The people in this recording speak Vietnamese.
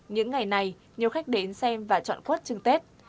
những ngày này nhiều khách đến xem và chọn quất trưng tết